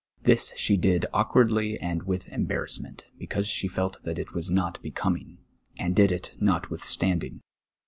This she did awkwardly and with embarrassment, because she felt that it was not becoming, and did it notwith standing.